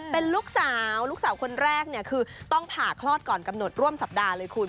เป็นลูกสาวลูกสาวคนแรกเนี่ยคือต้องผ่าคลอดก่อนกำหนดร่วมสัปดาห์เลยคุณ